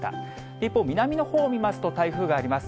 一方、南のほうを見ますと、台風があります。